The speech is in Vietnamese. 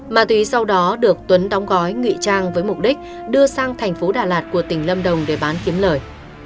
ma túy sau đó được tuấn đóng gói nghị trang với mục đích đưa sang thành phố đà lạt của tỉnh lâm đồng để bán kiếm lời